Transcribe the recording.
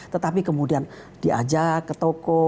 tetapi kemudian diajak ke toko